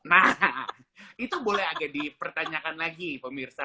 nah itu boleh agak dipertanyakan lagi pemirsa